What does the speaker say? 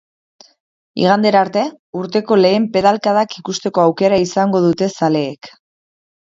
Igandera arte, urteko lehen pedalkadak ikusteko aukera izango dute zaleek.